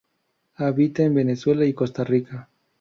Habita en Venezuela y Costa Rica.